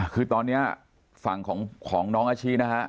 คือตอนนี้ฝั่งของน้องอาชินะฮะ